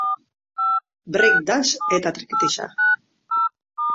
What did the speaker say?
Break dancea eta trikitixa.